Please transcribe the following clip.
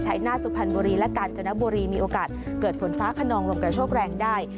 ชัยหน้าสุพรรณบุรีและกาญจนบุรีมีโอกาสเกิดฝนฟ้าขนองลมกระโชกแรงได้